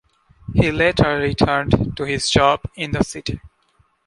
He later returned to his job in the City.